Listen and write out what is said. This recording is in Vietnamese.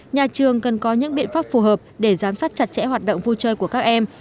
nhà trường cần có những biện pháp phù hợp để giám sát chặt chẽ hoạt động vui chơi của các em